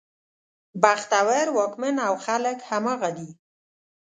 بختور واکمن او خلک همغه دي.